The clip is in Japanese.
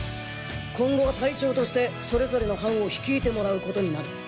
今後は隊長としてそれぞれの班を率いてもらうことになる。